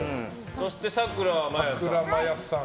そして、さくらまやさん。